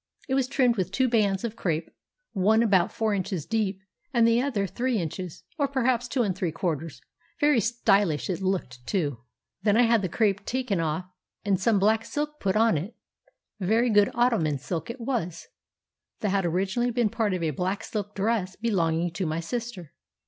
It was trimmed with two bands of crêpe, one about four inches deep, and the other three inches, or perhaps two and three quarters; very stylish it looked, too. Then I had the crêpe taken off and some black silk put on it—very good ottoman silk it was—that had originally been part of a black silk dress belonging to my sister.